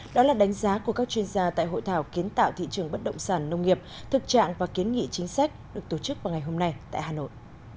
đó là đánh giá của các chuyên gia tại hội thảo kiến tạo thị trường bất động sản nông nghiệp thực trạng và kiến nghị chính sách được tổ chức vào ngày hôm nay tại hà nội